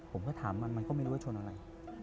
ผมก็ถามมันมันก็ไม่รู้ว่าชนอะไร